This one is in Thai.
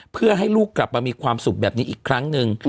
เพื่อให้ลูกกลับมามีความสุขแบบนี้อีกครั้งหนึ่ง